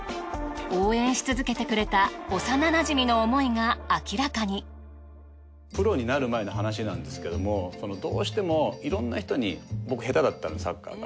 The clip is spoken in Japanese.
応援し続けてくれた幼馴染の思いが明らかにプロになる前の話なんですけどもどうしてもいろんな人に僕下手だったんでサッカーが。